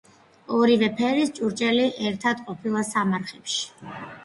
ორივე ფერის ჭურჭელი ერთად ყოფილა სამარხებში.